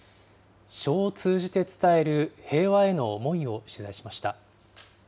書を通じて伝える平和への思いを取材しました。